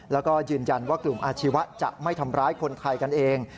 แล้วก็ยืนยันว่ากลุ่มอาชีวะจะไม่ทำร้ายคนไทยกันเอง